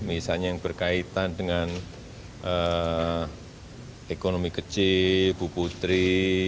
misalnya yang berkaitan dengan ekonomi kecil bu putri